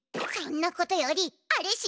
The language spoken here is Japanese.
そんなことよりあれ